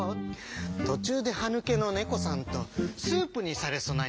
「とちゅうではぬけのねこさんとスープにされそなにわとりさん」